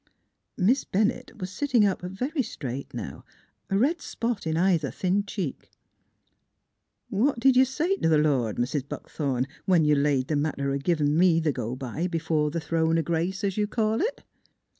Miss Bennett was sitting up very straight now, a red spot in either thin cheek. " What'd you say t' th' Lord, Mis' Buckthorn, when you laid th' matter o' givin' me th' go by b'fore th' throne o' Grace, es you call it?